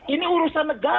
ini urusan negara ini